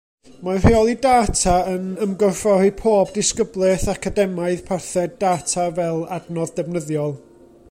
Mae rheoli data yn ymgorffori pob disgyblaeth academaidd parthed data fel adnodd defnyddiol.